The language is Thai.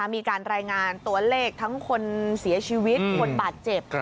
มีการรายงานตัวเลขทั้งคนเสียชีวิตคนบาดเจ็บ